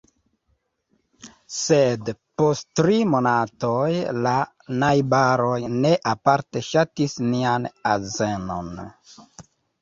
Sed, post tri monatoj, la najbaroj ne aparte ŝatis nian azenon.